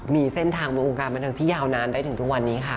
มีเส้นทางวงการบันเทิงที่ยาวนานได้ถึงทุกวันนี้ค่ะ